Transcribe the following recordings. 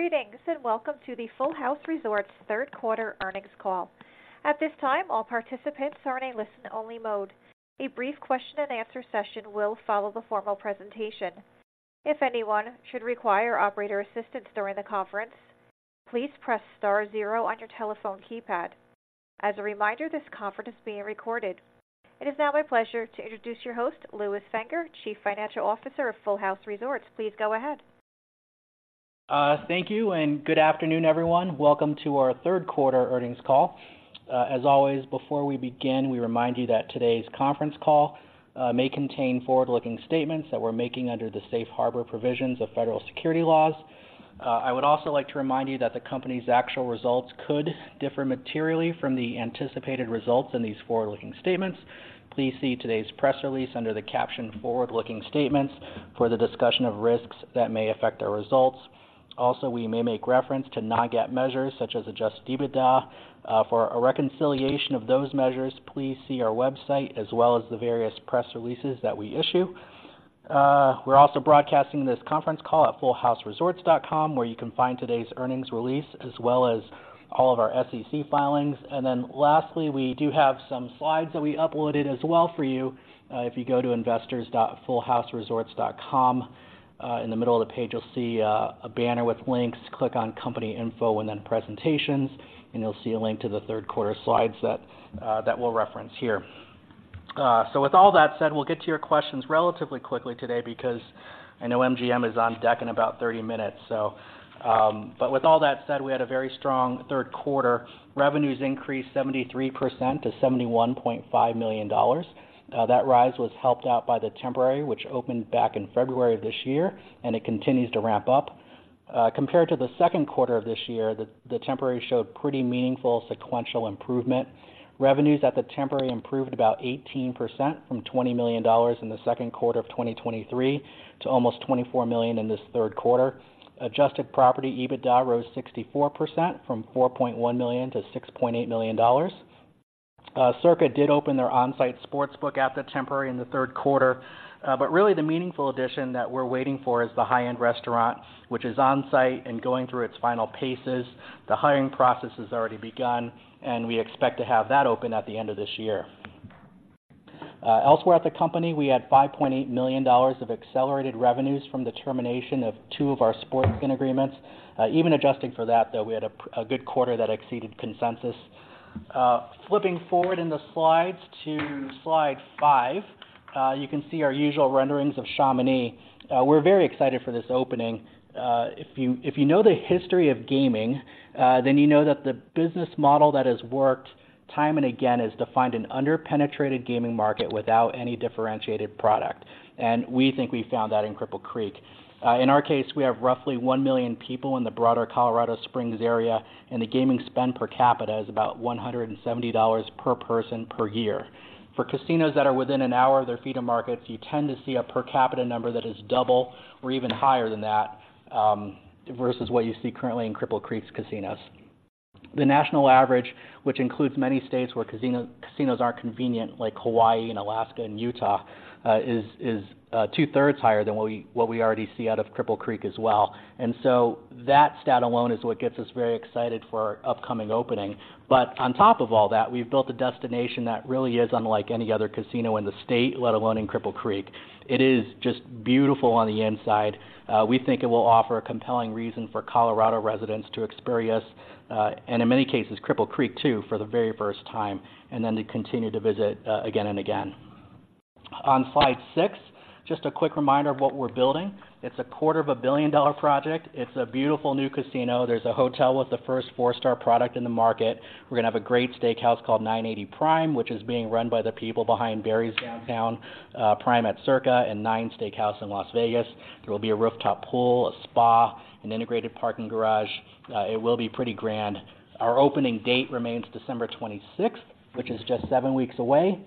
Greetings, and welcome to the Full House Resorts Q3 earnings call. At this time, all participants are in a listen-only mode. A brief question and answer session will follow the formal presentation. If anyone should require operator assistance during the conference, please press star zero on your telephone keypad. As a reminder, this conference is being recorded. It is now my pleasure to introduce your host, Lewis Fanger, Chief Financial Officer of Full House Resorts. Please go ahead. Thank you, and good afternoon, everyone. Welcome to our Q3 earnings call. As always, before we begin, we remind you that today's conference call may contain forward-looking statements that we're making under the safe harbor provisions of federal securities laws. I would also like to remind you that the company's actual results could differ materially from the anticipated results in these forward-looking statements. Please see today's press release under the caption Forward-looking Statements for the discussion of risks that may affect our results. Also, we may make reference to non-GAAP measures, such as adjusted EBITDA. For a reconciliation of those measures, please see our website as well as the various press releases that we issue. We're also broadcasting this conference call at fullhouseresorts.com, where you can find today's earnings release, as well as all of our SEC filings. And then lastly, we do have some slides that we uploaded as well for you. If you go to investors.fullhouseresorts.com, in the middle of the page, you'll see a banner with links. Click on Company Info and then Presentations, and you'll see a link to the third quarter slides that we'll reference here. So with all that said, we'll get to your questions relatively quickly today because I know MGM is on deck in about 30 minutes. But with all that said, we had a very strong third quarter. Revenues increased 73% to $71.5 million. That rise was helped out by the Temporary, which opened back in February of this year, and it continues to ramp up. Compared to the second quarter of this year, the Temporary showed pretty meaningful sequential improvement. Revenues at the Temporary improved about 18% from $20 million in the second quarter of 2023 to almost $24 million in this Q3. Adjusted Property EBITDA rose 64% from $4.1 million to $6.8 million. Circa did open their on-site sportsbook at the Temporary in the third quarter, but really, the meaningful addition that we're waiting for is the high-end restaurant, which is on-site and going through its final paces. The hiring process has already begun, and we expect to have that open at the end of this year. Elsewhere at the company, we had $5.8 million of accelerated revenues from the termination of two of our sports betting agreements. Even adjusting for that, though, we had a good quarter that exceeded consensus. Flipping forward in the slides to slide five, you can see our usual renderings of Chamonix. We're very excited for this opening. If you know the history of gaming, then you know that the business model that has worked time and again is to find an under-penetrated gaming market without any differentiated product, and we think we found that in Cripple Creek. In our case, we have roughly one million people in the broader Colorado Springs area, and the gaming spend per capita is about $170 per person per year. For casinos that are within an hour of their feeder markets, you tend to see a per capita number that is double or even higher than that, versus what you see currently in Cripple Creek's casinos. The national average, which includes many states where casino, casinos aren't convenient, like Hawaii and Alaska and Utah, is 2/3 higher than what we already see out of Cripple Creek as well. And so that stat alone is what gets us very excited for our upcoming opening. But on top of all that, we've built a destination that really is unlike any other casino in the state, let alone in Cripple Creek. It is just beautiful on the inside. We think it will offer a compelling reason for Colorado residents to experience, and in many cases, Cripple Creek, too, for the very first time, and then to continue to visit, again and again. On slide 6, just a quick reminder of what we're building. It's a $250 million project. It's a beautiful new casino. There's a hotel with the first four-star product in the market. We're going to have a great steakhouse called 980 Prime, which is being run by the people behind Barry's Downtown Prime at Circa, and N9NE Steakhouse in Las Vegas. There will be a rooftop pool, a spa, an integrated parking garage. It will be pretty grand. Our opening date remains December 26th, which is just seven weeks away.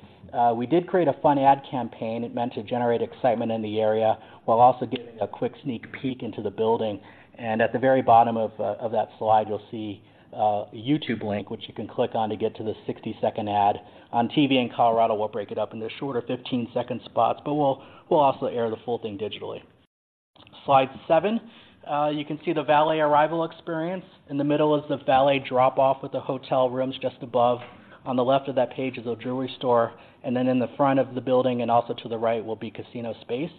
We did create a fun ad campaign. It meant to generate excitement in the area while also giving a quick sneak peek into the building. At the very bottom of, of that slide, you'll see, a YouTube link, which you can click on to get to the 60-second ad. On TV in Colorado, we'll break it up into shorter 15-second spots, but we'll, we'll also air the full thing digitally. Slide seven. You can see the valet arrival experience. In the middle is the valet drop-off with the hotel rooms just above. On the left of that page is a jewelry store, and then in the front of the building and also to the right, will be casino space.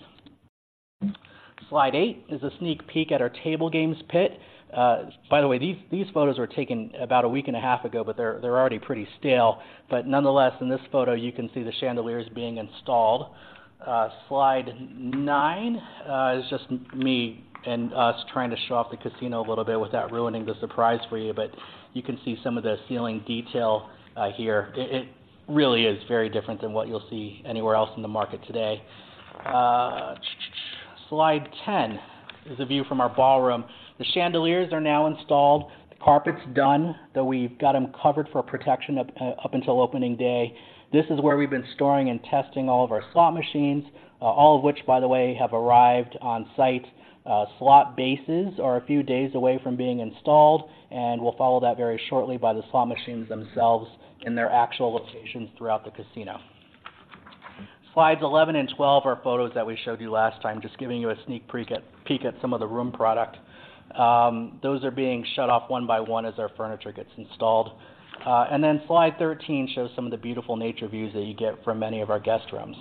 Slide eight is a sneak peek at our table games pit. By the way, these photos were taken about a week and a half ago, but they're already pretty stale. But nonetheless, in this photo, you can see the chandeliers being installed. Slide nine is just me and us trying to show off the casino a little bit without ruining the surprise for you, but you can see some of the ceiling detail here. It really is very different than what you'll see anywhere else in the market today. Slide 10 is a view from our ballroom. The chandeliers are now installed, the carpet's done, though we've got them covered for protection up until opening day. This is where we've been storing and testing all of our slot machines, all of which, by the way, have arrived on-site. Slot bases are a few days away from being installed, and we'll follow that very shortly by the slot machines themselves in their actual locations throughout the casino. Slides 11 and 12 are photos that we showed you last time, just giving you a sneak peek at some of the room product. Those are being shut off one by one as our furniture gets installed. And then slide 13 shows some of the beautiful nature views that you get from many of our guest rooms.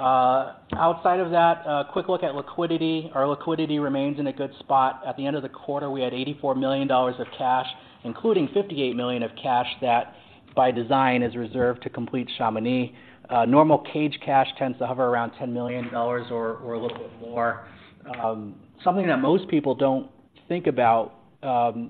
Outside of that, a quick look at liquidity. Our liquidity remains in a good spot. At the end of the quarter, we had $84 million of cash, including $58 million of cash that, by design, is reserved to complete Chamonix. Normal cage cash tends to hover around $10 million or a little bit more. Something that most people don't think about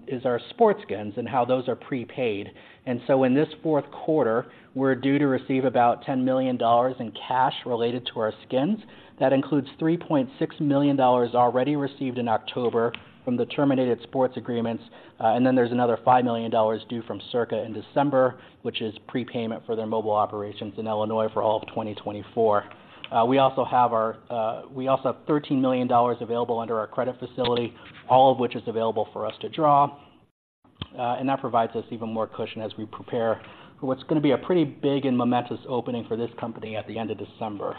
is our sports skins and how those are prepaid. And so in this Q4, we're due to receive about $10 million in cash related to our skins. That includes $3.6 million already received in October from the terminated sports agreements, and then there's another $5 million due from Circa in December, which is prepayment for their mobile operations in Illinois for all of 2024. We also have our, we also have $13 million available under our credit facility, all of which is available for us to draw, and that provides us even more cushion as we prepare for what's going to be a pretty big and momentous opening for this company at the end of December.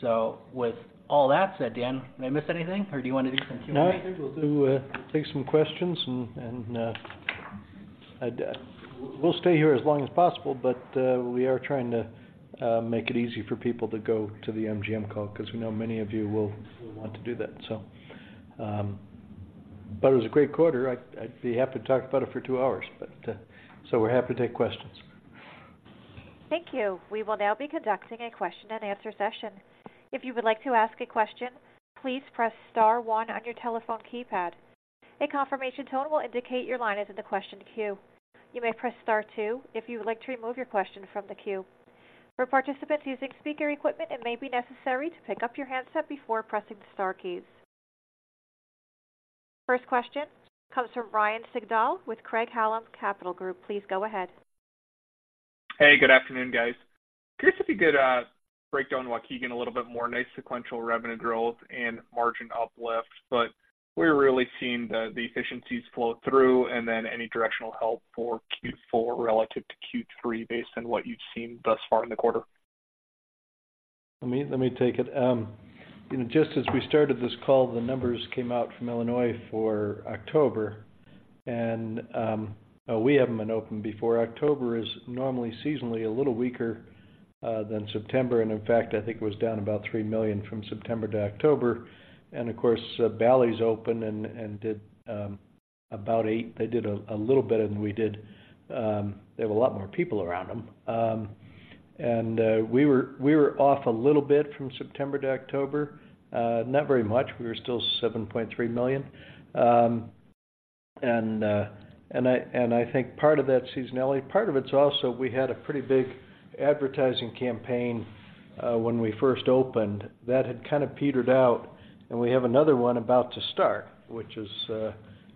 So with all that said, Dan, did I miss anything, or do you want to do some Q&A? No, I think we'll do take some questions, and we'll stay here as long as possible, but we are trying to make it easy for people to go to the MGM call because we know many of you will want to do that. So, but it was a great quarter. I'd be happy to talk about it for two hours, but so we're happy to take questions. Thank you. We will now be conducting a question-and-answer session. If you would like to ask a question, please press star one on your telephone keypad. A confirmation tone will indicate your line is in the question queue. You may press star two if you would like to remove your question from the queue. For participants using speaker equipment, it may be necessary to pick up your handset before pressing the star keys. First question comes from Ryan Sigdahl with Craig-Hallum Capital Group. Please go ahead. Hey, good afternoon, guys. Curious if you could break down Waukegan a little bit more. Nice sequential revenue growth and margin uplift, but we're really seeing the efficiencies flow through, and then any directional help for Q4 relative to Q3 based on what you've seen thus far in the quarter. Let me take it. You know, just as we started this call, the numbers came out from Illinois for October, and we haven't been open before. October is normally seasonally a little weaker than September, and in fact, I think it was down about $3 million from September to October. Of course, Bally's opened and did about $8 million—they did a little better than we did. They have a lot more people around them. We were off a little bit from September to October. Not very much. We were still $7.3 million. I think part of that seasonality, part of it's also we had a pretty big advertising campaign when we first opened. That had kind of petered out, and we have another one about to start, which is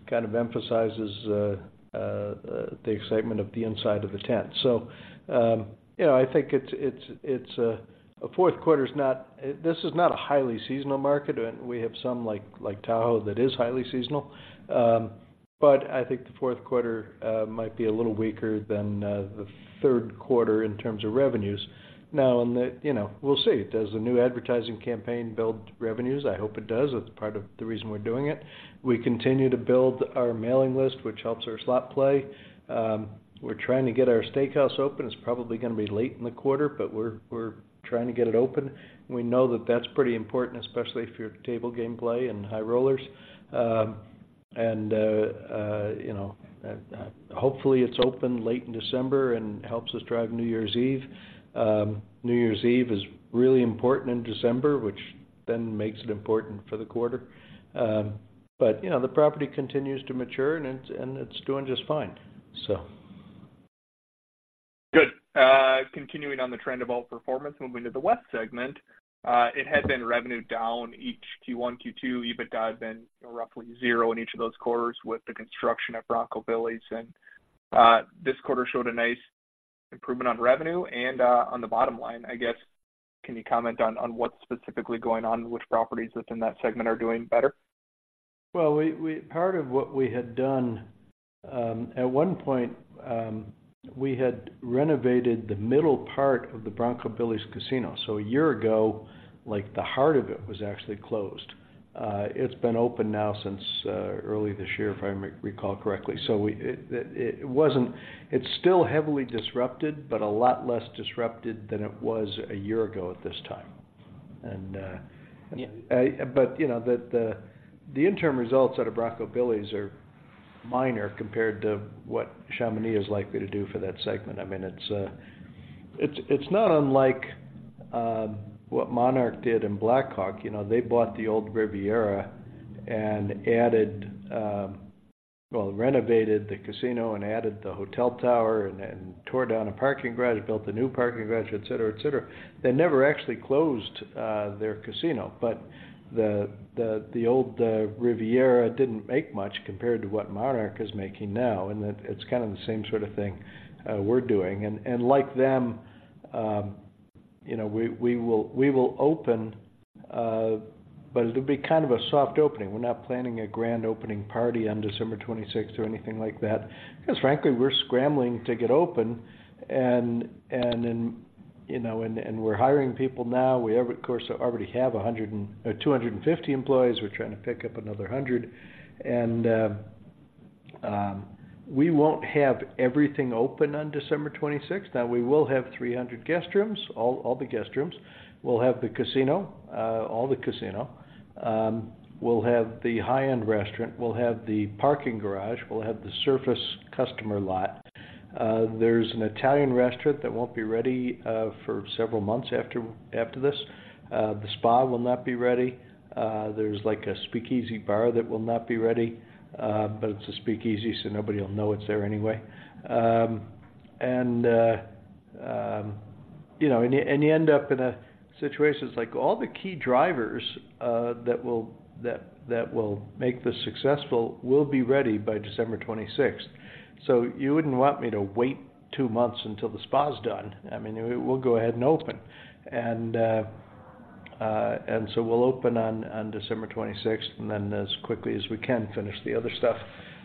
kind of emphasizes the excitement of the inside of the tent. So, you know, I think it's a fourth quarter's not this is not a highly seasonal market, and we have some, like Tahoe, that is highly seasonal. But I think the Q4 might be a little weaker than the Q3 in terms of revenues. Now, on the... You know, we'll see. Does the new advertising campaign build revenues? I hope it does. It's part of the reason we're doing it. We continue to build our mailing list, which helps our slot play. We're trying to get our steakhouse open. It's probably going to be late in the quarter, but we're trying to get it open. We know that that's pretty important, especially for your table game play and high rollers. You know, hopefully, it's open late in December and helps us drive New Year's Eve. New Year's Eve is really important in December, which then makes it important for the quarter. But you know, the property continues to mature, and it's doing just fine, so. Good. Continuing on the trend of all performance, moving to the West segment, it had been revenue down each Q1, Q2, EBITDA had been roughly zero in each of those quarters with the construction at Bronco Billy's. And, this quarter showed a nice improvement on revenue and, on the bottom line. I guess, can you comment on, on what's specifically going on, which properties within that segment are doing better? Well, part of what we had done, at one point, we had renovated the middle part of the Bronco Billy's Casino. So a year ago, like, the heart of it was actually closed. It's been open now since early this year, if I recall correctly. So it wasn't. It's still heavily disrupted, but a lot less disrupted than it was a year ago at this time. But you know, the interim results out of Bronco Billy's are minor compared to what Chamonix is likely to do for that segment. I mean, it's not unlike what Monarch did in Black Hawk. You know, they bought the old Riviera and added... Well, renovated the casino and added the hotel tower and tore down a parking garage, built a new parking garage, et cetera, et cetera. They never actually closed their casino, but the old Riviera didn't make much compared to what Monarch is making now, and it's kind of the same sort of thing we're doing. And like them, you know, we will open, but it'll be kind of a soft opening. We're not planning a grand opening party on December 26th or anything like that. Because frankly, we're scrambling to get open. And then, you know, we're hiring people now. We, of course, already have 250 employees. We're trying to pick up another 100. And we won't have everything open on December 26th. Now, we will have 300 guest rooms, all the guest rooms. We'll have the casino, all the casino. We'll have the high-end restaurant, we'll have the parking garage, we'll have the surface customer lot. There's an Italian restaurant that won't be ready for several months after this. The spa will not be ready. There's, like, a speakeasy bar that will not be ready, but it's a speakeasy, so nobody will know it's there anyway. You know, you end up in a situation that's like all the key drivers that will make this successful will be ready by December 26th. So you wouldn't want me to wait two months until the spa is done. I mean, we'll go ahead and open. So we'll open on December 26th, and then as quickly as we can, finish the other stuff.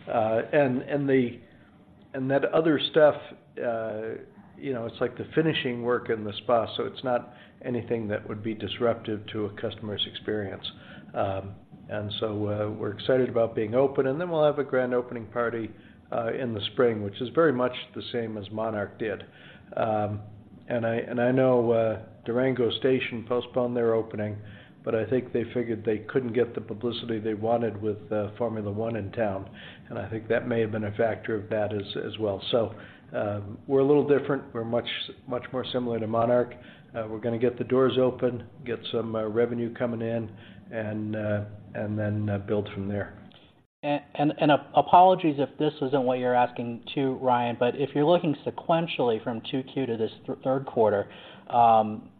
And that other stuff, you know, it's like the finishing work in the spa, so it's not anything that would be disruptive to a customer's experience. And so we're excited about being open, and then we'll have a grand opening party in the spring, which is very much the same as Monarch did. And I know Durango Station postponed their opening, but I think they figured they couldn't get the publicity they wanted with Formula One in town, and I think that may have been a factor of that as well. So we're a little different. We're much, much more similar to Monarch. We're gonna get the doors open, get some revenue coming in, and then build from there. Apologies if this isn't what you're asking, too, Ryan, but if you're looking sequentially from 2Q to this Q3,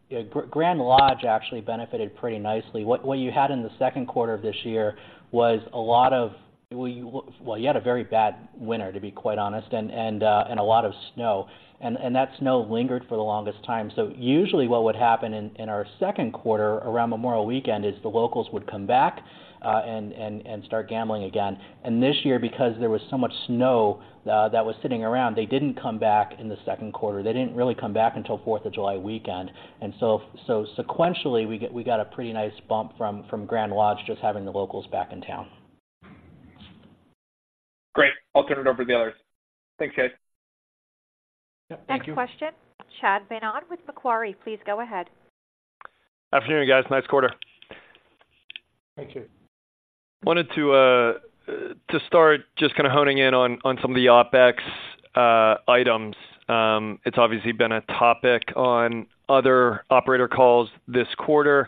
yeah, Grand Lodge actually benefited pretty nicely. What you had in the second quarter of this year was a lot of—well, you had a very bad winter, to be quite honest, and a lot of snow, and that snow lingered for the longest time. So usually, what would happen in our Q2, around Memorial Weekend, is the locals would come back and start gambling again. And this year, because there was so much snow that was sitting around, they didn't come back in the Q2. They didn't really come back until Fourth of July weekend. So sequentially, we got a pretty nice bump from Grand Lodge, just having the locals back in town. Great. I'll turn it over to the others. Thanks, guys. Yeah, thank you. Next question, Chad Beynon with Macquarie. Please go ahead. Good afternoon, guys. Nice quarter. Thank you. Wanted to start just kind of honing in on some of the OpEx items. It's obviously been a topic on other operator calls this quarter,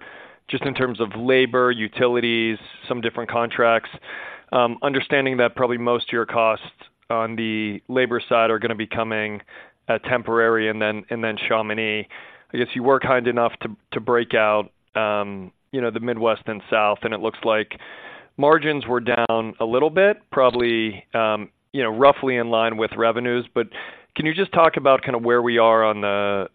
just in terms of labor, utilities, some different contracts. Understanding that probably most of your costs on the labor side are gonna be coming temporary and then Chamonix. I guess you were kind enough to break out, you know, the Midwest and South, and it looks like margins were down a little bit, probably, you know, roughly in line with revenues. But can you just talk about kind of where we are on the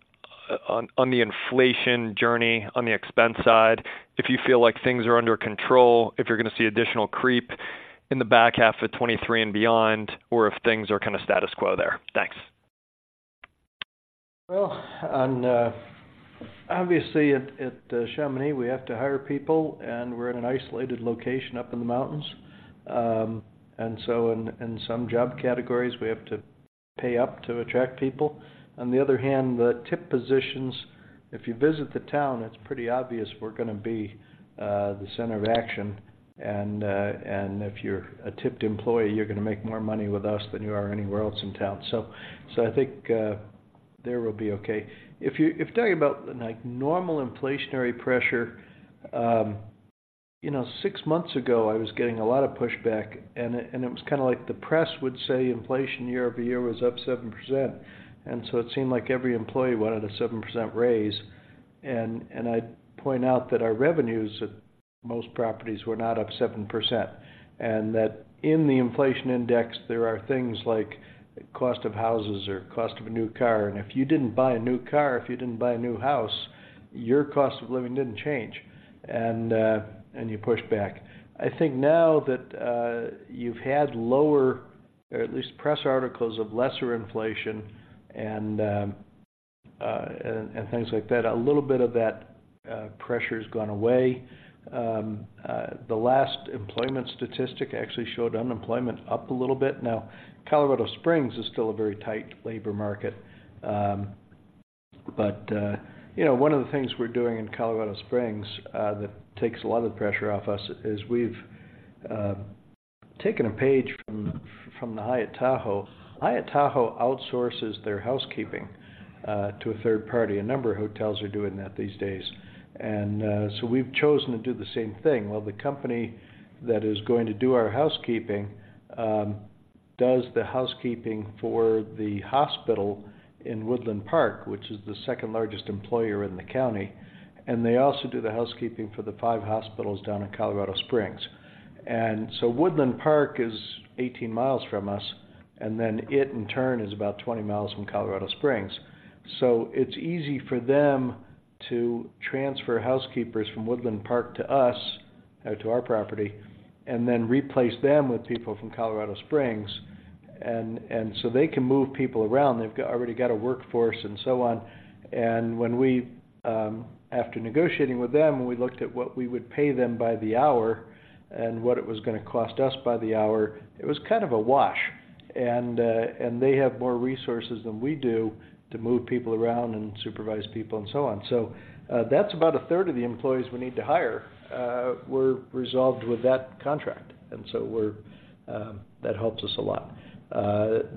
inflation journey, on the expense side? If you feel like things are under control, if you're gonna see additional creep in the back half of 2023 and beyond, or if things are kind of status quo there? Thanks. Well, on, obviously, at Chamonix, we have to hire people, and we're in an isolated location up in the mountains. And so in some job categories, we have to pay up to attract people. On the other hand, the tip positions, if you visit the town, it's pretty obvious we're gonna be the center of action. And, and if you're a tipped employee, you're gonna make more money with us than you are anywhere else in town. So I think there we'll be okay. If you-- if you're talking about, like, normal inflationary pressure, you know, six months ago, I was getting a lot of pushback, and it, and it was kind of like the press would say inflation year-over-year was up 7%. And so it seemed like every employee wanted a 7% raise. I'd point out that our revenues at most properties were not up 7%, and that in the inflation index, there are things like cost of houses or cost of a new car. And if you didn't buy a new car, if you didn't buy a new house, your cost of living didn't change, and you push back. I think now that you've had lower, or at least press articles of lesser inflation and things like that, a little bit of that pressure has gone away. The last employment statistic actually showed unemployment up a little bit. Now, Colorado Springs is still a very tight labor market. But you know, one of the things we're doing in Colorado Springs that takes a lot of the pressure off us is we've taken a page from the Hyatt Tahoe. Hyatt Tahoe outsources their housekeeping to a third party. A number of hotels are doing that these days. And so we've chosen to do the same thing. Well, the company that is going to do our housekeeping does the housekeeping for the hospital in Woodland Park, which is the second-largest employer in the county, and they also do the housekeeping for the five hospitals down in Colorado Springs. And so Woodland Park is 18 miles from us. And then it, in turn, is about 20 miles from Colorado Springs. So it's easy for them to transfer housekeepers from Woodland Park to us, to our property, and then replace them with people from Colorado Springs. And so they can move people around. They've already got a workforce and so on. And after negotiating with them, we looked at what we would pay them by the hour and what it was gonna cost us by the hour. It was kind of a wash. And they have more resources than we do to move people around and supervise people, and so on. So that's about a 1/3 of the employees we need to hire were resolved with that contract, and so that helps us a lot.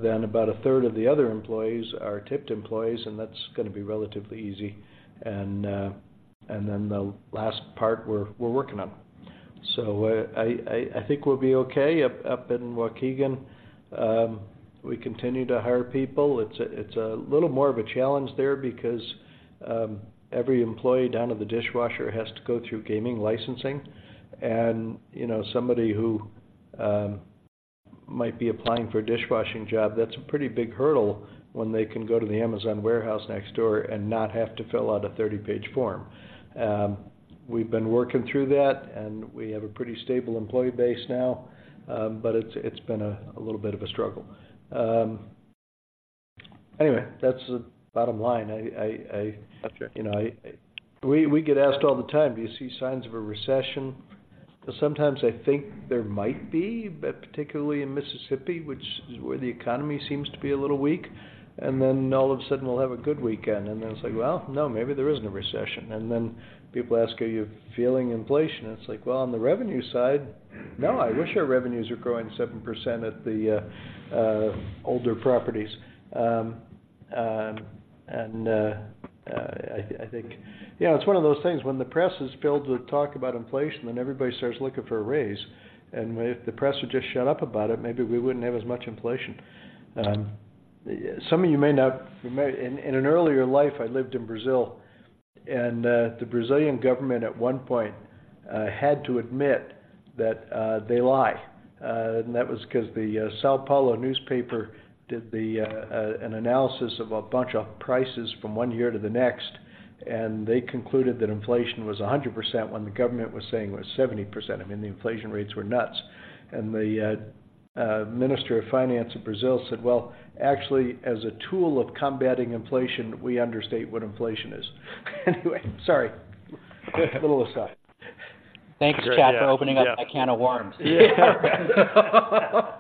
Then about a 1/3 of the other employees are tipped employees, and that's gonna be relatively easy. And then the last part, we're working on. So, I think we'll be okay up in Waukegan. We continue to hire people. It's a little more of a challenge there because every employee, down to the dishwasher, has to go through gaming licensing. And, you know, somebody who might be applying for a dishwashing job, that's a pretty big hurdle when they can go to the Amazon warehouse next door and not have to fill out a 30-page form. We've been working through that, and we have a pretty stable employee base now, but it's been a little bit of a struggle. Anyway, that's the bottom line. I- Got you. You know, we get asked all the time: Do you see signs of a recession? Sometimes I think there might be, but particularly in Mississippi, which is where the economy seems to be a little weak, and then all of a sudden, we'll have a good weekend. And then it's like, well, no, maybe there isn't a recession. And then people ask: Are you feeling inflation? It's like, well, on the revenue side, no, I wish our revenues were growing 7% at the older properties. And I think... You know, it's one of those things, when the press is filled with talk about inflation, then everybody starts looking for a raise, and if the press would just shut up about it, maybe we wouldn't have as much inflation. Some of you may not... In an earlier life, I lived in Brazil, and the Brazilian government, at one point, had to admit that they lie. And that was because the São Paulo newspaper did an analysis of a bunch of prices from one year to the next, and they concluded that inflation was 100% when the government was saying it was 70%. I mean, the inflation rates were nuts. And the Minister of Finance in Brazil said, "Well, actually, as a tool of combating inflation, we understate what inflation is." Anyway, sorry, a little aside. Thanks, Chad, for opening up a can of worms. I kid though.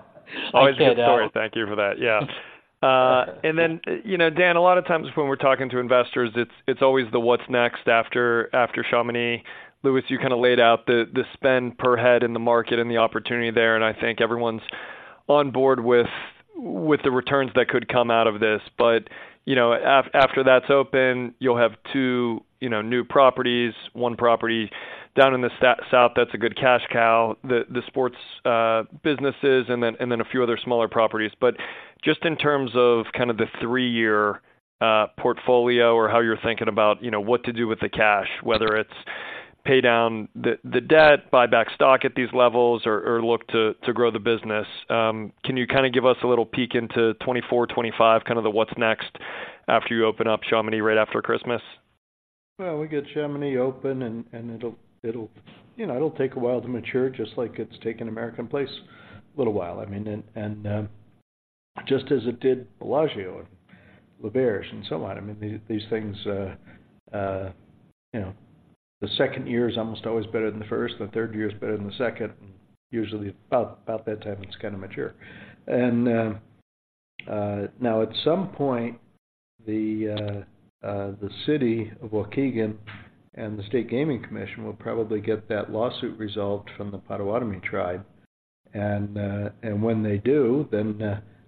Always a good story. Thank you for that. Yeah. And then, you know, Dan, a lot of times when we're talking to investors, it's, it's always the what's next after, after Chamonix. Lewis, you kind of laid out the spend per head in the market and the opportunity there, and I think everyone's on board with, with the returns that could come out of this. But, you know, after that's open, you'll have two, you know, new properties, one property down in the South that's a good cash cow, the sports businesses, and then a few other smaller properties. But just in terms of kind of the three-year portfolio or how you're thinking about, you know, what to do with the cash, whether it's pay down the, the debt, buy back stock at these levels, or, or look to, to grow the business, can you kind of give us a little peek into 2024, 2025, kind of the what's next after you open up Chamonix right after Christmas? Well, we get Chamonix open, and it'll... You know, it'll take a while to mature, just like it's taken American Place a little while. I mean, just as it did Bellagio and L'Auberge and so on. I mean, these things, you know, the second year is almost always better than the first, the third year is better than the second, and usually, about that time, it's kinda mature. And now, at some point, the city of Waukegan and the State Gaming Commission will probably get that lawsuit resolved from the Potawatomi tribe. And when they do, then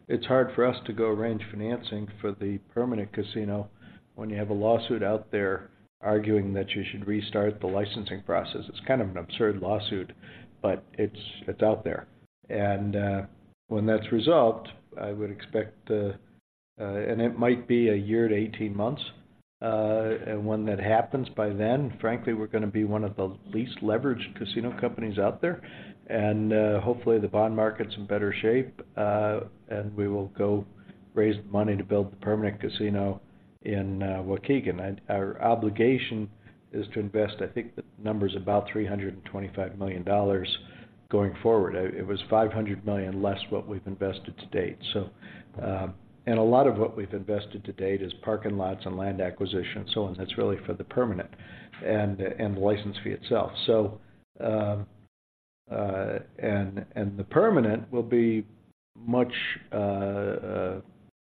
it's hard for us to go arrange financing for the permanent casino when you have a lawsuit out there arguing that you should restart the licensing process. It's kind of an absurd lawsuit, but it's out there. And when that's resolved, I would expect. And it might be a year to 18 months, and when that happens, by then, frankly, we're gonna be one of the least leveraged casino companies out there. And hopefully, the bond market's in better shape, and we will go raise the money to build the permanent casino in Waukegan. And our obligation is to invest, I think. The number is about $325 million going forward. It was $500 million less what we've invested to date. So, and a lot of what we've invested to date is parking lots and land acquisition, and so on. That's really for the permanent and the license fee itself. So the permanent will be much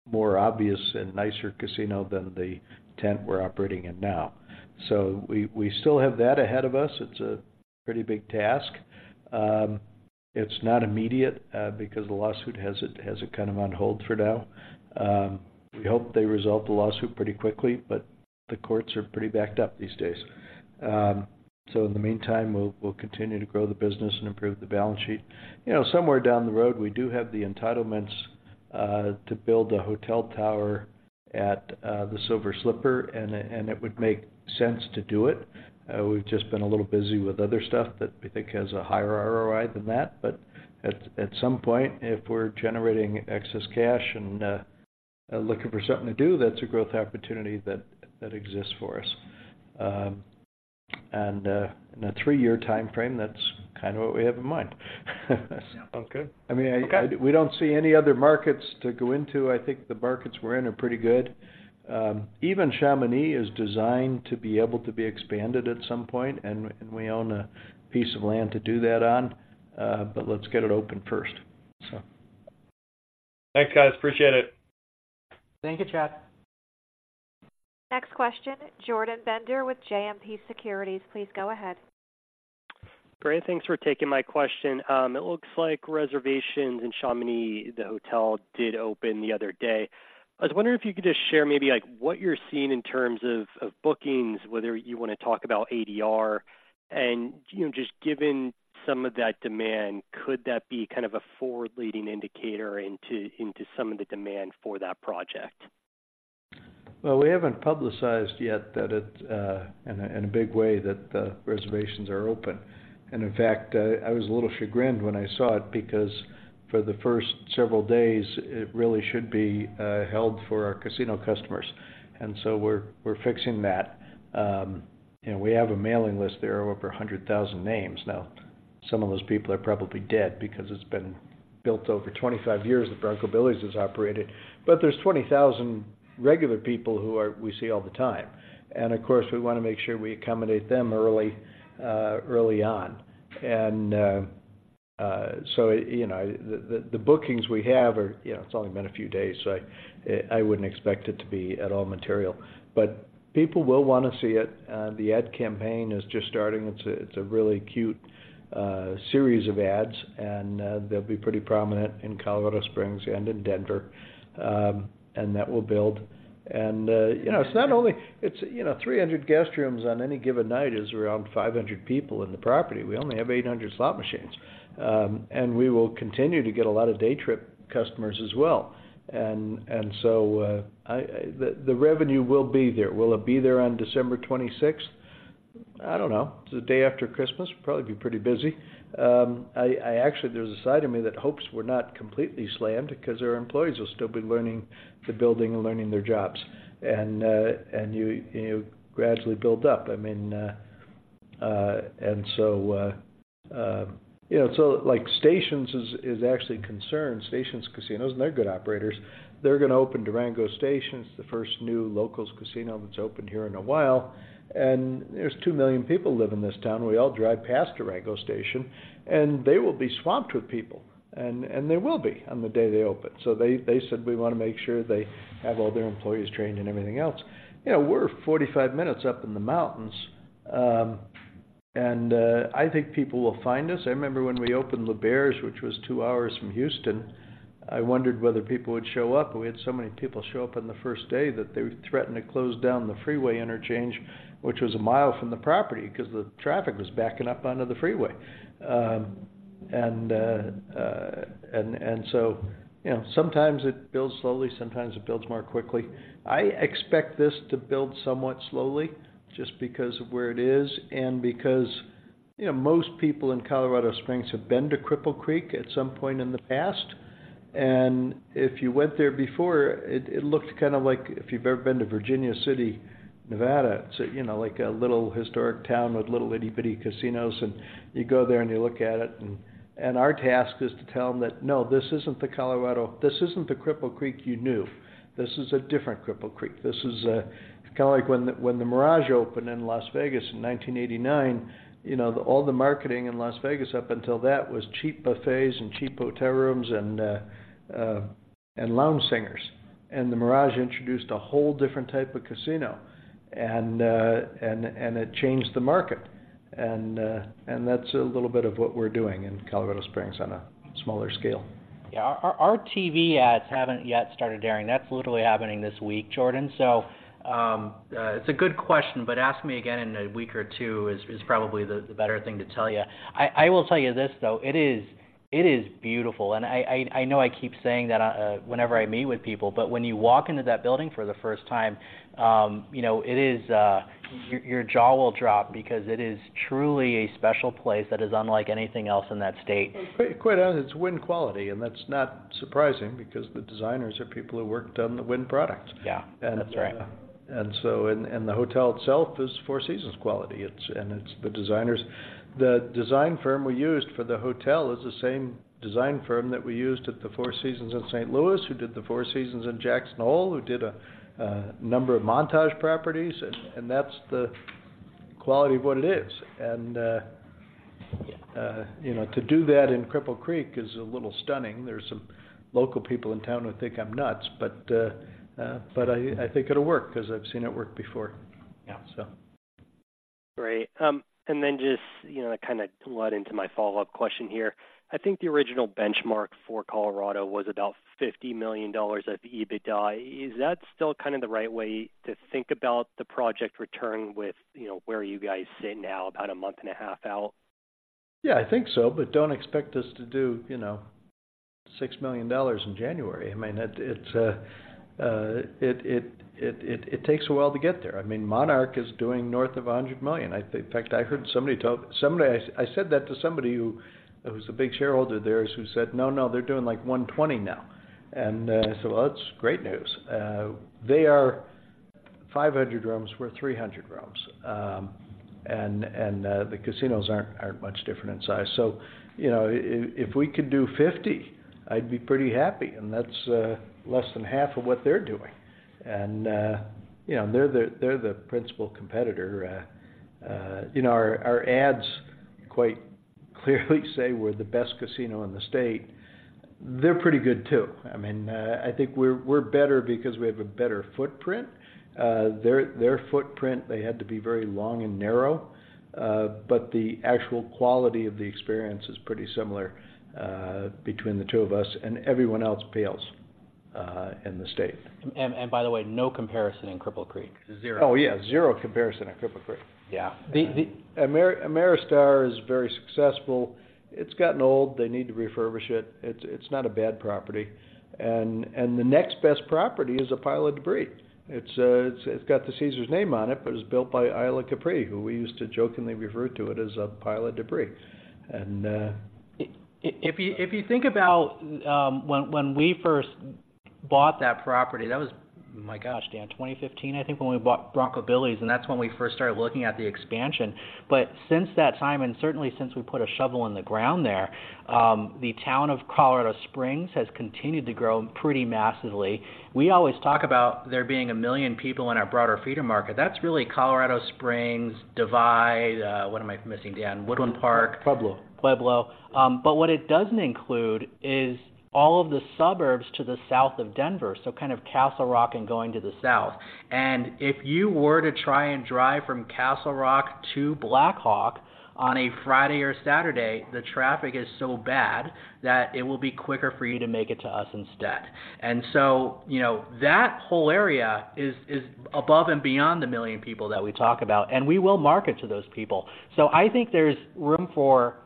more obvious and nicer casino than the tent we're operating in now. So we still have that ahead of us. It's a pretty big task. It's not immediate because the lawsuit has it kind of on hold for now. We hope they resolve the lawsuit pretty quickly, but the courts are pretty backed up these days. So in the meantime, we'll continue to grow the business and improve the balance sheet. You know, somewhere down the road, we do have the entitlements to build a hotel tower at the Silver Slipper, and it would make sense to do it. We've just been a little busy with other stuff that we think has a higher ROI than that. But at some point, if we're generating excess cash and looking for something to do, that's a growth opportunity that exists for us. And in a three-year timeframe, that's kind of what we have in mind. Yeah. Okay. I mean, I- Okay. We don't see any other markets to go into. I think the markets we're in are pretty good. Even Chamonix is designed to be able to be expanded at some point, and we own a piece of land to do that on. But let's get it open first. So... Thanks, guys. Appreciate it. Thank you, Chad. Next question, Jordan Bender with JMP Securities, please go ahead. Great. Thanks for taking my question. It looks like reservations in Chamonix, the hotel did open the other day. I was wondering if you could just share maybe, like, what you're seeing in terms of bookings, whether you wanna talk about ADR. And, you know, just given some of that demand, could that be kind of a forward-looking indicator into some of the demand for that project? Well, we haven't publicized yet that it, in a big way, that the reservations are open. And in fact, I was a little chagrined when I saw it, because for the first several days, it really should be held for our casino customers. And so we're fixing that. And we have a mailing list. There are over 100,000 names now. Some of those people are probably dead because it's been built over 25 years, that Bronco Billy's has operated. But there's 20,000 regular people who are—we see all the time. And of course, we wanna make sure we accommodate them early on. So, you know, the bookings we have are... You know, it's only been a few days, so I wouldn't expect it to be at all material. But people will wanna see it. The ad campaign is just starting. It's a, it's a really cute series of ads, and they'll be pretty prominent in Colorado Springs and in Denver. And that will build. And, you know, it's not only. It's, you know, 300 guest rooms on any given night is around 500 people in the property. We only have 800 slot machines. And we will continue to get a lot of day trip customers as well. And so, the revenue will be there. Will it be there on December 26th? I don't know. It's the day after Christmas, probably be pretty busy. I actually, there's a side of me that hopes we're not completely slammed because our employees will still be learning the building and learning their jobs, and you gradually build up. I mean, and so, you know, so like Station Casinos is actually concerned. Station Casinos, and they're good operators, they're gonna open Durango Station, the first new locals casino that's opened here in a while, and there's 2 million people live in this town. We all drive past Durango Station, and they will be swamped with people, and they will be on the day they open. So they said, we wanna make sure they have all their employees trained and everything else. You know, we're 45 minutes up in the mountains, and I think people will find us. I remember when we opened L'Auberge, which was two hours from Houston, I wondered whether people would show up, and we had so many people show up on the first day that they would threaten to close down the freeway interchange, which was a mile from the property, because the traffic was backing up onto the freeway. And so, you know, sometimes it builds slowly, sometimes it builds more quickly. I expect this to build somewhat slowly just because of where it is and because, you know, most people in Colorado Springs have been to Cripple Creek at some point in the past, and if you went there before, it looked kind of like, if you've ever been to Virginia City, Nevada, it's, you know, like a little historic town with little, itty-bitty casinos, and you go there, and you look at it. Our task is to tell them that, "No, this isn't the Colorado. This isn't the Cripple Creek you knew. This is a different Cripple Creek." This is kind of like when The Mirage opened in Las Vegas in 1989, you know, all the marketing in Las Vegas up until that was cheap buffets and cheap hotel rooms and lounge singers. And The Mirage introduced a whole different type of casino, and it changed the market. And that's a little bit of what we're doing in Colorado Springs on a smaller scale. Yeah. Our TV ads haven't yet started airing. That's literally happening this week, Jordan. So, it's a good question, but ask me again in a week or two, is probably the better thing to tell you. I will tell you this, though: it is beautiful. And I know I keep saying that, whenever I meet with people, but when you walk into that building for the first time, you know, it is... Your jaw will drop because it is truly a special place that is unlike anything else in that state. Well, quite, quite honest, it's Wynn quality, and that's not surprising because the designers are people who worked on the Wynn product. Yeah, that's right. And the hotel itself is Four Seasons quality. It's the designers. The design firm we used for the hotel is the same design firm that we used at the Four Seasons in St. Louis, who did the Four Seasons in Jackson Hole, who did a number of Montage properties, and that's the quality of what it is. And, Yeah... you know, to do that in Cripple Creek is a little stunning. There's some local people in town who think I'm nuts, but I think it'll work 'cause I've seen it work before. Yeah. So. Great. And then just, you know, to kind of lead into my follow-up question here. I think the original benchmark for Colorado was about $50 million of EBITDA. Is that still kind of the right way to think about the project return with, you know, where you guys sit now, about a month and a half out? Yeah, I think so, but don't expect us to do, you know, $6 million in January. I mean, it's, it takes a while to get there. I mean, Monarch is doing north of $100 million. In fact, I heard somebody talk. Somebody, I said that to somebody who's a big shareholder there, who said: "No, no, they're doing, like, $120 million now." And so that's great news. They are 500 rooms worth 300 rooms. And the casinos aren't much different in size. So, you know, if we could do $50 million, I'd be pretty happy, and that's less than half of what they're doing. And you know, they're the principal competitor. You know, our ads quite clearly say we're the best casino in the state. They're pretty good, too. I mean, I think we're better because we have a better footprint. Their footprint, they had to be very long and narrow, but the actual quality of the experience is pretty similar between the two of us, and everyone else pales in the state. And by the way, no comparison in Cripple Creek. Zero. Oh, yeah, zero comparison in Cripple Creek. Yeah. The Ameristar is very successful. It's gotten old, they need to refurbish it. It's not a bad property, and the next best property is a pile of debris. It's got the Caesars name on it, but it was built by Isle of Capri, who we used to jokingly refer to it as a pile of debris. And If you, if you think about, when, when we first bought that property, that was, my gosh, Dan, 2015, I think, when we bought Bronco Billy's, and that's when we first started looking at the expansion. But since that time, and certainly since we put a shovel in the ground there, the town of Colorado Springs has continued to grow pretty massively. We always talk about there being a million people in our broader feeder market. That's really Colorado Springs, Divide, what am I missing, Dan? Woodland Park. Pueblo. Pueblo. But what it doesn't include is all of the suburbs to the south of Denver, so kind of Castle Rock and going to the south. If you were to try and drive from Castle Rock to Black Hawk on a Friday or Saturday, the traffic is so bad that it will be quicker for you to make it to us instead. So, you know, that whole area is above and beyond the a million people that we talk about, and we will market to those people. So I think there's room for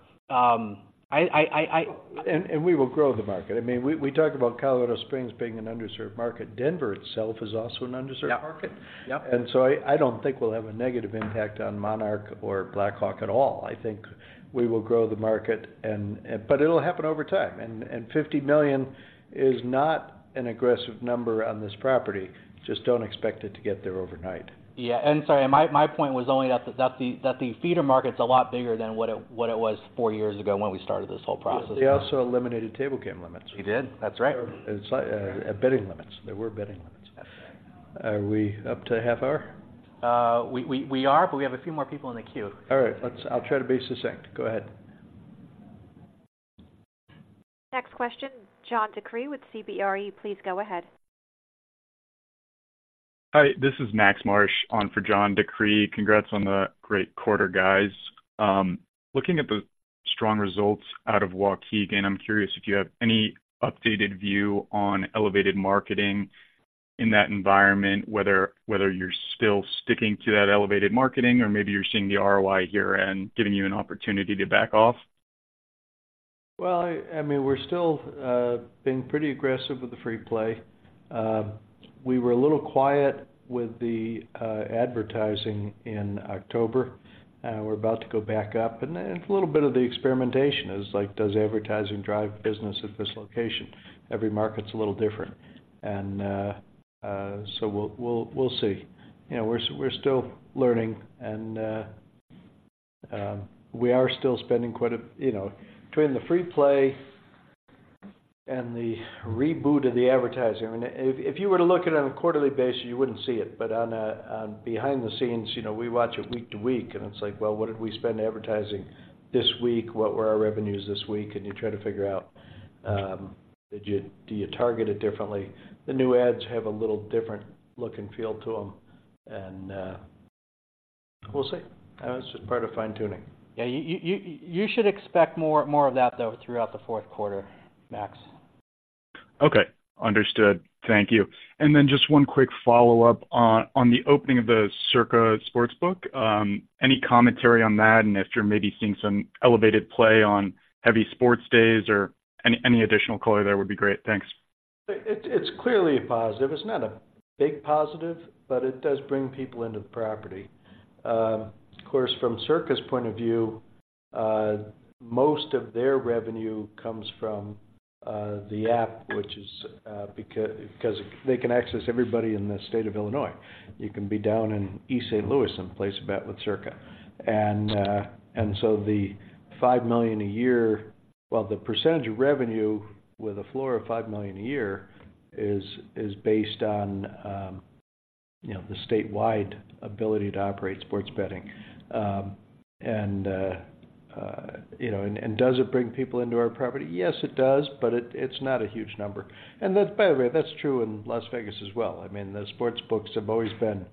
We will grow the market. I mean, we talk about Colorado Springs being an underserved market. Denver itself is also an underserved market. Yeah. Yep. So I don't think we'll have a negative impact on Monarch or Black Hawk at all. I think we will grow the market, and, but it'll happen over time. And $50 million is not an aggressive number on this property. Just don't expect it to get there overnight. Yeah, and sorry, my point was only that the feeder market's a lot bigger than what it was four years ago when we started this whole process. They also eliminated table game limits. They did. That's right. It's like, betting limits. There were betting limits. Yes. Are we up to half hour? We are, but we have a few more people in the queue. All right. I'll try to be succinct. Go ahead. Next question, John Decree with CBRE. Please go ahead. Hi, this is Max Marsh on for John Decree. Congrats on the great quarter, guys. Looking at the strong results out of Waukegan, I'm curious if you have any updated view on elevated marketing in that environment, whether, whether you're still sticking to that elevated marketing or maybe you're seeing the ROI here and giving you an opportunity to back off? Well, I mean, we're still being pretty aggressive with the free play. We were a little quiet with the advertising in October. We're about to go back up, and then a little bit of the experimentation is like, does advertising drive business at this location? Every market's a little different. And so we'll see. You know, we're still learning, and we are still spending quite a... You know, between the free play and the reboot of the advertising, I mean, if you were to look at it on a quarterly basis, you wouldn't see it, but behind the scenes, you know, we watch it week to week, and it's like, well, what did we spend advertising this week? What were our revenues this week? And you try to figure out, do you target it differently? The new ads have a little different look and feel to them, and we'll see. It's just part of fine-tuning. Yeah, you should expect more, more of that, though, throughout the Q4, Max. Okay, understood. Thank you. Then just one quick follow-up on the opening of the Circa Sportsbook. Any commentary on that, and if you're maybe seeing some elevated play on heavy sports days or any additional color there would be great. Thanks. It, it's clearly a positive. It's not a big positive, but it does bring people into the property. Of course, from Circa's point of view, most of their revenue comes from the app, which is because they can access everybody in the state of Illinois. You can be down in East St. Louis and place a bet with Circa. And so the $5 million a year... Well, the percentage of revenue with a floor of $5 million a year is based on, you know, the statewide ability to operate sports betting. And, you know, and does it bring people into our property? Yes, it does, but it, it's not a huge number. And that's, by the way, that's true in Las Vegas as well. I mean, the sports books have always been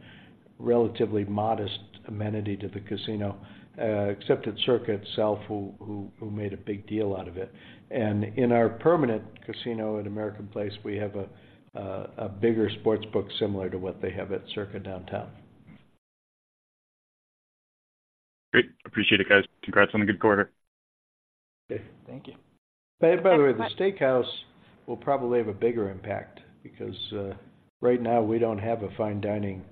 relatively modest amenity to the casino, except at Circa itself, who made a big deal out of it. And in our permanent casino at American Place, we have a bigger sports book similar to what they have at Circa Downtown. Great. Appreciate it, guys. Congrats on a good quarter. Okay. Thank you. Thank you- By the way, the steakhouse will probably have a bigger impact because right now we don't have a fine dining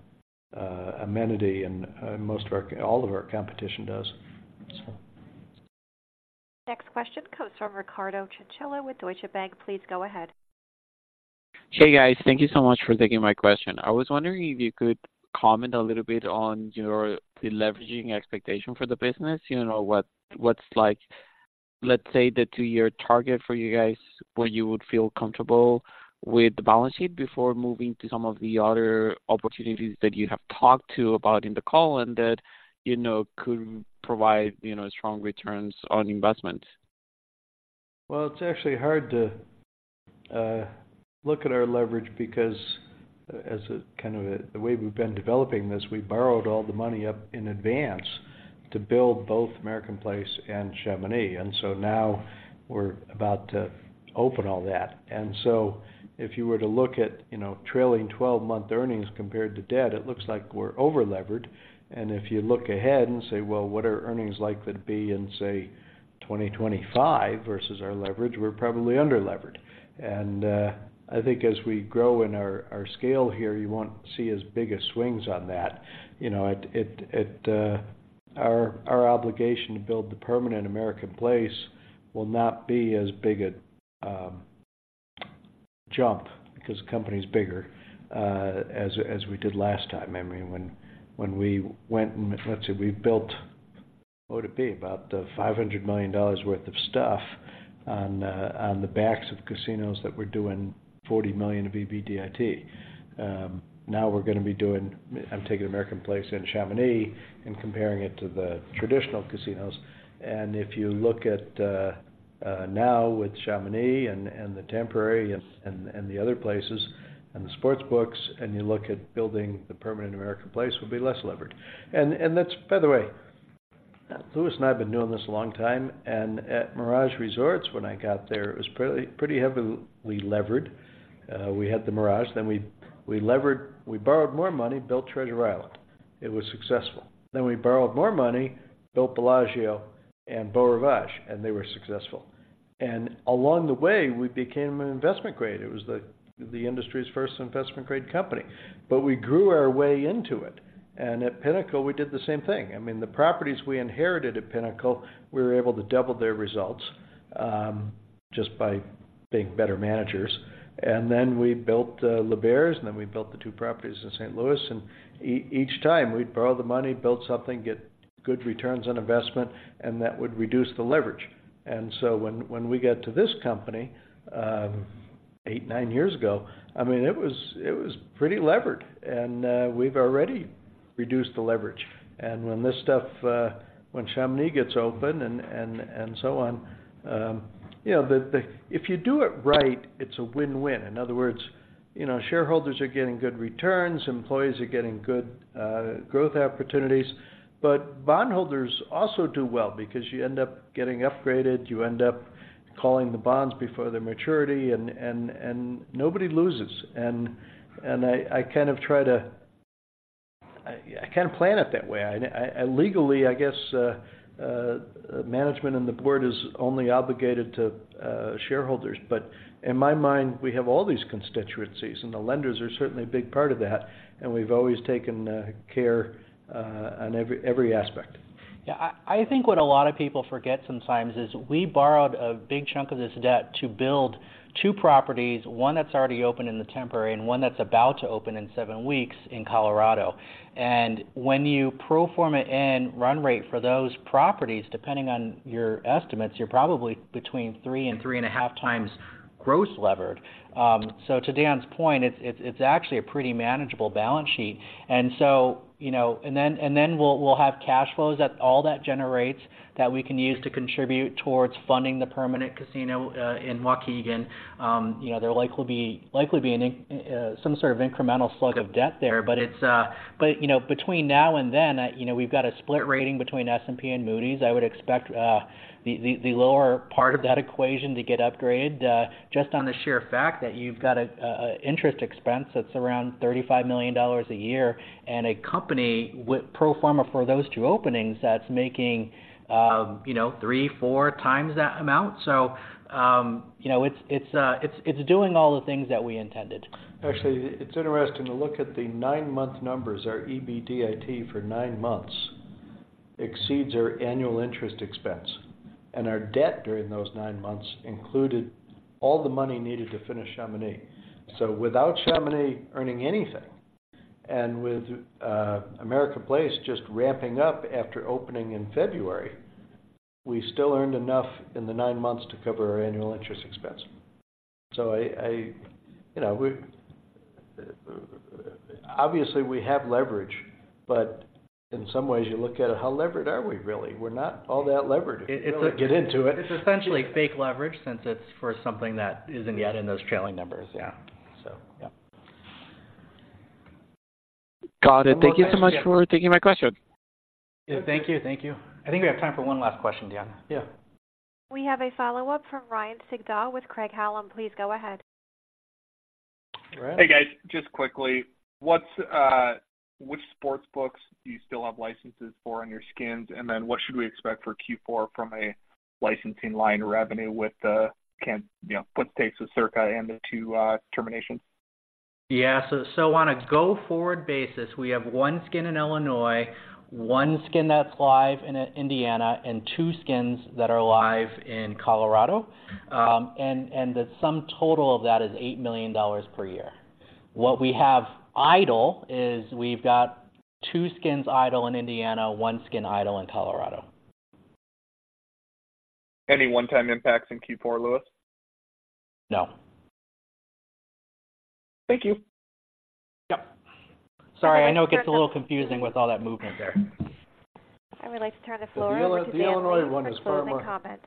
amenity, and most of our—all of our competition does, so. ...Next question comes from Ricardo Chinchilla with Deutsche Bank. Please go ahead. Hey, guys. Thank you so much for taking my question. I was wondering if you could comment a little bit on your deleveraging expectation for the business. You know, what, what's like, let's say, the two-year target for you guys, where you would feel comfortable with the balance sheet before moving to some of the other opportunities that you have talked about in the call and that, you know, could provide, you know, strong returns on investment? Well, it's actually hard to look at our leverage because the way we've been developing this, we borrowed all the money up in advance to build both American Place and Chamonix. And so now we're about to open all that. And so if you were to look at, you know, trailing twelve-month earnings compared to debt, it looks like we're over-levered. And if you look ahead and say, "Well, what are earnings likely to be in, say, 2025 versus our leverage?" We're probably under-levered. And I think as we grow in our scale here, you won't see as big a swings on that. You know, our obligation to build the permanent American Place will not be as big a jump, because the company's bigger, as we did last time. I mean, when we went and, let's say, we built, what would it be? About $500 million worth of stuff on the backs of casinos that were doing $40 million of EBITDA. Now we're gonna be doing—I'm taking American Place and Chamonix and comparing it to the traditional casinos. And if you look at, now with Chamonix and the temporary and the other places and the sports books, and you look at building the permanent American Place, we'll be less levered. And that's... By the way, Lewis and I have been doing this a long time, and at Mirage Resorts, when I got there, it was pretty heavily levered. We had the Mirage, then we levered—we borrowed more money, built Treasure Island. It was successful. Then we borrowed more money, built Bellagio and Beau Rivage, and they were successful. And along the way, we became an investment grade. It was the industry's first investment-grade company. But we grew our way into it. And at Pinnacle, we did the same thing. I mean, the properties we inherited at Pinnacle, we were able to double their results, just by being better managers. And then we built L'Auberge, and then we built the two properties in St. Louis. And each time, we'd borrow the money, build something, get good returns on investment, and that would reduce the leverage. And so when we got to this company, eight, nine years ago, I mean, it was pretty levered, and we've already reduced the leverage. And when this stuff, when Chamonix gets open and so on, you know, if you do it right, it's a win-win. In other words, you know, shareholders are getting good returns, employees are getting good growth opportunities, but bondholders also do well because you end up getting upgraded, you end up calling the bonds before their maturity, and nobody loses. And I kind of try to... I kind of plan it that way. And legally, I guess, management and the board is only obligated to shareholders, but in my mind, we have all these constituencies, and the lenders are certainly a big part of that, and we've always taken care on every aspect. Yeah, I think what a lot of people forget sometimes is we borrowed a big chunk of this debt to build two properties, one that's already open in the temporary and one that's about to open in seven weeks in Colorado. And when you pro forma in run rate for those properties, depending on your estimates, you're probably between 3 and 3.5 times gross levered. So to Dan's point, it's actually a pretty manageable balance sheet. And so, you know, and then we'll have cash flows that all that generates, that we can use to contribute towards funding the permanent casino in Waukegan. You know, there likely be an incremental slug of debt there, but it's, but, you know, between now and then, you know, we've got a split rating between S&P and Moody's. I would expect, the lower part of that equation to get upgraded, just on the sheer fact that you've got an interest expense that's around $35 million a year, and a company with pro forma for those two openings that's making, you know, 3-4 times that amount. So, you know, it's doing all the things that we intended. Actually, it's interesting to look at the nine-month numbers. Our EBITDA for nine months exceeds our annual interest expense, and our debt during those nine months included all the money needed to finish Chamonix. So without Chamonix earning anything, and with American Place just ramping up after opening in February, we still earned enough in the nine months to cover our annual interest expense. So I, you know, obviously, we have leverage, but in some ways, you look at it, how levered are we really? We're not all that levered if you really get into it. It's essentially fake leverage since it's for something that isn't yet in those trailing numbers. Yeah. So, yeah. Got it. Thank you so much for taking my question. Yeah, thank you. Thank you. I think we have time for one last question, Dan. Yeah. We have a follow-up from Ryan Sigdahl with Craig-Hallum. Please go ahead. Hey, guys, just quickly, what's which sportsbooks do you still have licenses for on your skins? And then what should we expect for Q4 from a licensing line of revenue with the, you know, footsteps of Circa and the two terminations? Yeah, so on a go-forward basis, we have one skin in Illinois, one skin that's live in Indiana, and two skins that are live in Colorado. And the sum total of that is $8 million per year. What we have idle is we've got two skins idle in Indiana, one skin idle in Colorado. Any one-time impacts in Q4, Lewis? No. Thank you. Yep. Sorry, I know it gets a little confusing with all that movement there. I would like to turn the floor over to Dan... The Illinois one is far more- For closing comments.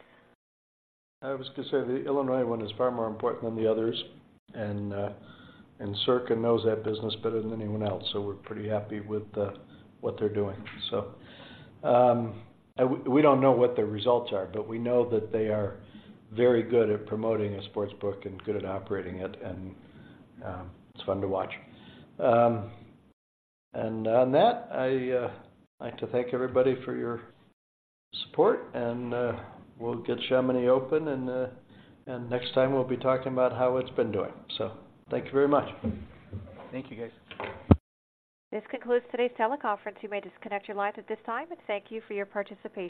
I was going to say, the Illinois one is far more important than the others, and Circa knows that business better than anyone else, so we're pretty happy with what they're doing. So we don't know what the results are, but we know that they are very good at promoting a sportsbook and good at operating it, and it's fun to watch. And on that, I like to thank everybody for your support, and we'll get Chamonix open, and next time, we'll be talking about how it's been doing. So thank you very much. Thank you, guys. This concludes today's teleconference. You may disconnect your lines at this time, and thank you for your participation.